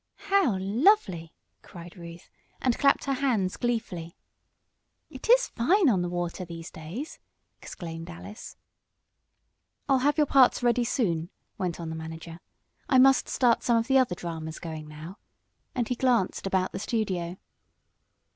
"How lovely!" cried Ruth, and clapped her hands gleefully. "It is fine on the water these days!" exclaimed Alice. "I'll have your parts ready soon," went on the manager. "I must start some of the other dramas going now," and he glanced about the studio.